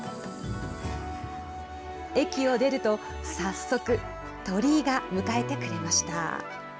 駅を出ると、早速鳥居が迎えてくれました。